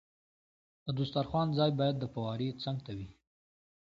د دسترخوان ځای باید د فوارې څنګ ته وي.